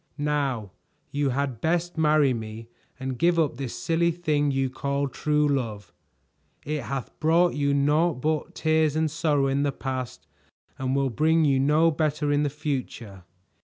"Now you had best marry me and give up this silly thing you call true love. It hath brought you naught but tears and sorrow in the past and will bring you no better in the future."